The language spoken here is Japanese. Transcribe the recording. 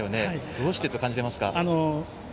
どうしてと感じていますか？